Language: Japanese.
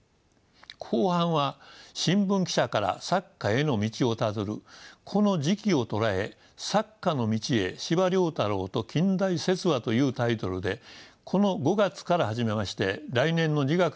後半は新聞記者から作家への道をたどるこの時期を捉え「作家の道へ−司馬太郎と『近代説話』」というタイトルでこの５月から始めまして来年の２月まで展示します。